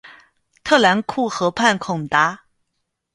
特兰库河畔孔达。